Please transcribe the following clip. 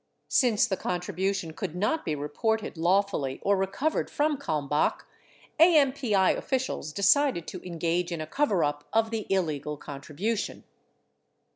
3 Since the contribu tion could not be reported lawfully or recovered from Ivalmbach, 4 AMPI officials decided to engage in a coverup of the illegal contribu tion.